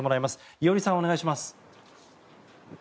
伊従さん、お願いします。